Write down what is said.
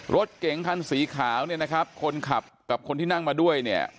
รถเก๋งคันสีขาวเนี่ยนะครับคนขับกับคนที่นั่งมาด้วยเนี่ย